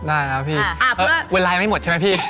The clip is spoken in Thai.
อ่าพี่วำไลงไม่หมดใช่ไหมพี่